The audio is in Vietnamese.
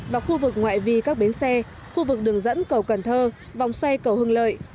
và khu vực ngoại vi các bến xe khu vực đường dẫn cầu cần thơ vòng xoay cầu hưng lợi